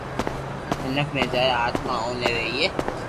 مينک ني جائي آتما اوبي رھئي